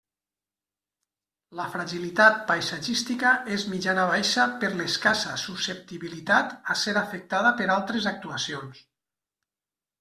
La fragilitat paisatgística és mitjana-baixa per l'escassa susceptibilitat a ser afectada per altres actuacions.